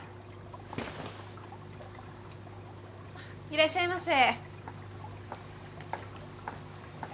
いらっしゃいませ。